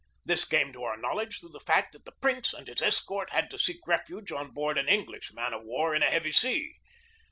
This came to our knowl edge through the fact that the prince and his escort had to seek refuge on board an English man of war A PERIOD OF ANXIETY 263 in a heavy sea.